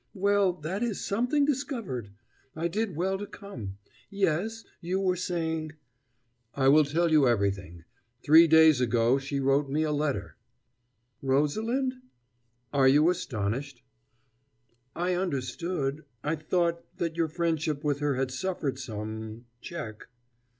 Well, that is something discovered! I did well to come. Yes you were saying " "I will tell you everything. Three days ago she wrote me a letter " "Rosalind?" "Are you astonished?" "I understood I thought that your friendship with her had suffered some check."